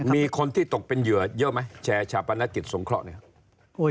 มีคนที่ตกเป็นเหยื่อเยอะไหมแชร์ชาปนกิจสงเคราะห์เนี่ย